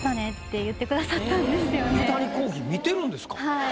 はい。